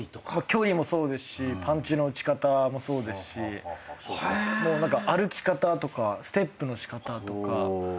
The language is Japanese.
距離もそうですしパンチの打ち方もそうですし歩き方とかステップの仕方とか全部違う。